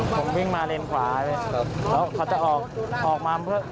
ผมวิ่งมาเลนส์ขวาแล้วเขาจะออกมาเพื่อ